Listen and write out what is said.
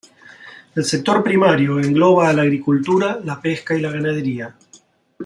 El sector primario engloba a la agricultura, la pesca y la ganadería.